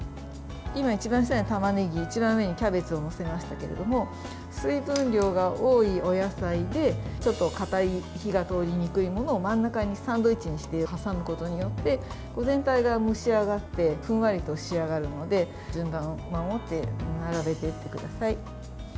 今、一番下にたまねぎ一番上にキャベツを載せましたけれども水分量が多いお野菜でかたい、火が通りにくいものを真ん中にサンドイッチにして挟むことによって全体が蒸し上がってふんわりと仕上がるので順番を守って並べていってください。